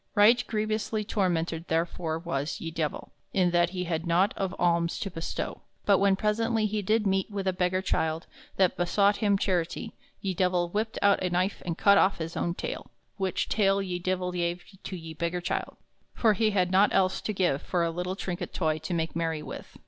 Right grievously tormented therefore was ye Divell, in that he had nought of alms to bestow; but when presently he did meet with a beggar childe that besought him charity, ye Divell whipped out a knife and cut off his own taile, which taile ye Divell gave to ye beggar childe, for he had not else to give for a lyttle trinket toy to make merry with.